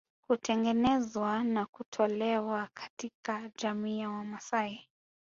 Hutengenezwa na kutolewa katika jamii ya Wamasai